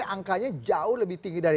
jadi angkanya jauh lebih tinggi dari